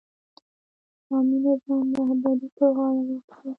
اسلامي نظام رهبري پر غاړه واخلي.